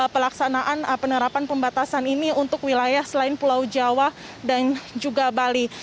pelaksanaan penerapan pembatasan ini untuk wilayah selain pulau jawa dan juga bali